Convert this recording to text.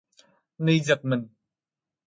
Ni giật mình